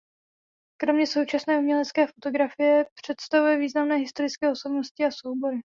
Kromě současné umělecké fotografie představuje významné historické osobnosti a soubory.